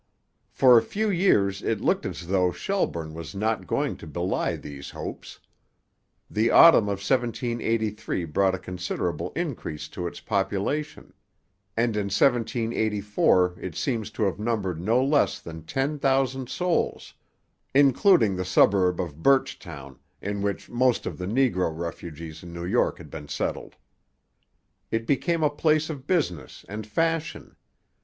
For a few years it looked as though Shelburne was not going to belie these hopes. The autumn of 1783 brought a considerable increase to its population; and in 1784 it seems to have numbered no less than ten thousand souls, including the suburb of Burchtown, in which most of the negro refugees in New York had been settled. It became a place of business and fashion.